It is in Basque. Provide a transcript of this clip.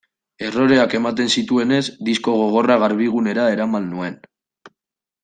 Erroreak ematen zituenez, disko gogorra Garbigunera eraman nuen.